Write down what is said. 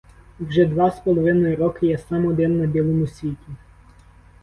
Вже два з половиною роки я сам один на білому світі.